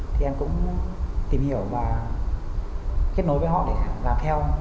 thì em cũng tìm hiểu và kết nối với họ để làm theo